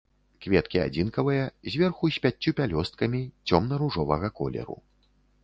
Кветкі адзінкавыя, зверху, з пяццю пялёсткамі, цёмна-ружовага колеру.